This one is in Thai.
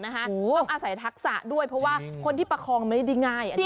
ต้องอาศัยทักษะด้วยเพราะว่าคนที่ประคองไม่ได้ง่าย